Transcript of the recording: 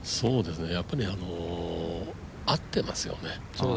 やっぱり合ってますよね。